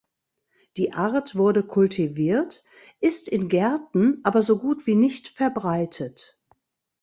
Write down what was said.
Die Art wurde kultiviert, ist in Gärten aber so gut wie nicht verbreitet.